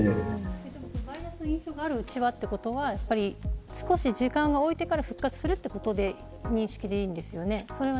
マイナスの印象があるうちはということは時間をおいてから復活するという認識でいいんですか。